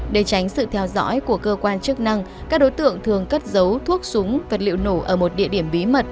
để tránh sự theo dõi của cơ quan chức năng các đối tượng thường cất giấu thuốc súng vật liệu nổ ở một địa điểm bí mật